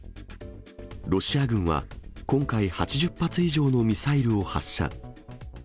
ロシア軍は、今回８０発以上のミサイルを発射。